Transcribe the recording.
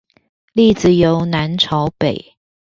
粒子由南朝北